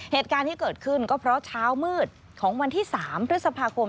เหตุการณ์ที่เกิดขึ้นก็เพราะเช้ามืดของวันที่๓พฤษภาคม